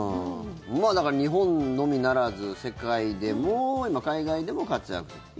だから日本のみならず世界でも、海外でも活躍。